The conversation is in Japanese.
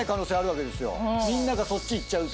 みんながそっち行っちゃう。